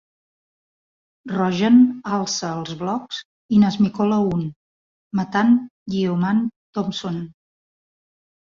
Rojan alça els blocs i n'esmicola un, matant Yeoman Thompson.